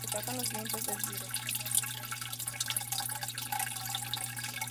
Destacan los vientos de dirección norte, intensos y frecuentes durante los meses de invierno.